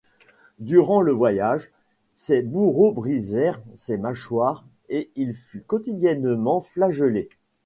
Durant le voyage, ses bourreaux brisèrent ses mâchoires et il fut quotidiennement flagellé.